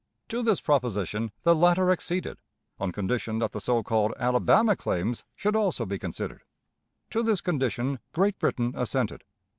To this proposition the latter acceded, on condition that the so called Alabama claims should also be considered. To this condition Great Britain assented.